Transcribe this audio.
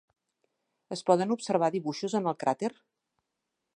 Es poden observar dibuixos en el crater?